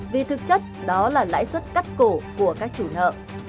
vì thực chất đó là lãi suất cắt cổ của các chủ nợ